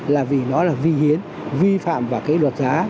là vì nó là vi hiến vi phạm vào cái luật giá